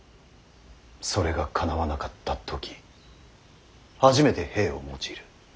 それがかなわなかった時初めて兵を用いる。